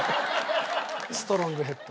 ストロングヘッド。